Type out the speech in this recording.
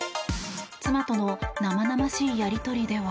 妻との生々しいやり取りでは。